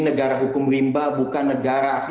negara hukum rimba bukan negara